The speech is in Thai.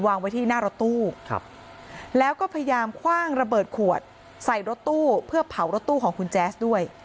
วางไว้ที่หน้ารถตู้แล้วก็พยายามคว่างระเบิดขวดใส่รถตู้เพื่อเผารถตู้ของคุณแจ๊สด้วย